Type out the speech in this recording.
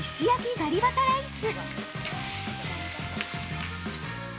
◆ガリバタライス。